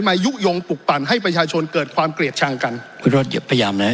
มายุ่งปลุกปั่นให้ประชาชนเกิดความเกลียดช่างกันพยายามนะ